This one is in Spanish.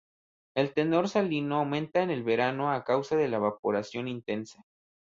El tenor salino aumenta en el verano a causa de la evaporación intensa.